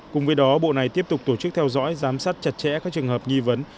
cùng với đó bộ này tiếp tục tổ chức theo dõi giám sát chặt chẽ các trường hợp nghi vấn